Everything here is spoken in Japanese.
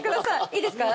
いいですか？